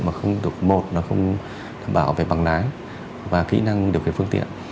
mà không được bảo về bằng lái và kỹ năng điều khiển phương tiện